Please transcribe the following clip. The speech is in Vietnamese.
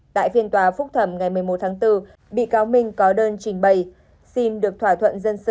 tại phiên tòa phúc thẩm ngày một mươi một tháng bốn bị cáo minh có đơn trình bày xin được thỏa thuận dân sự